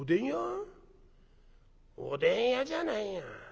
おでん屋じゃないよ。